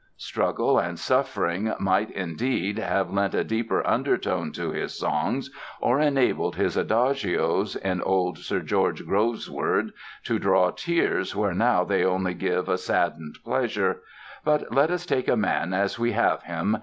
Struggle and suffering might, indeed, have lent a deeper undertone to his songs or enabled his adagios, in old Sir George Grove's words, "to draw tears where now they only give a saddened pleasure. But let us take a man as we have him.